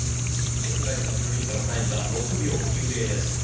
Ｓライズのくるりんぱのタイムが６秒９０です。